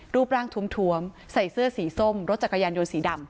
รูปร่างถวมใส่เสื้อสีส้มรถจักรยานยนต์สีดำ